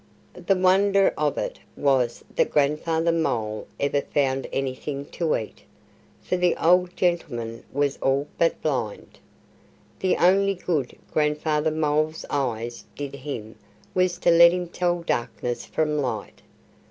The wonder of it was that Grandfather Mole ever found anything to eat, for the old gentleman was all but blind. The only good Grandfather Mole's eyes did him was to let him tell darkness from light.